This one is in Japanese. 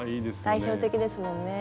代表的ですもんね。